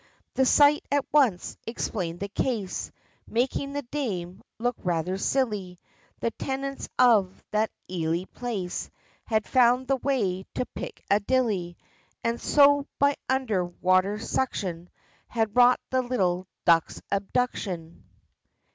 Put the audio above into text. The sight at once explained the case, Making the Dame look rather silly: The tenants of that Eely Place Had found the way to Pick a dilly, And so, by under water suction, Had wrought the little ducks' abduction.